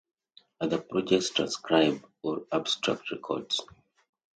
Other projects transcribe or abstract records.